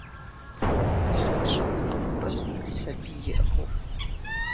Абы нысащӏэ къыбгъурыст сабий иӏыгъыу.